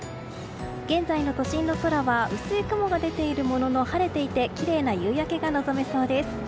現在の都心の空は薄い雲が出ているものの晴れていてきれいな夕焼けが望めそうです。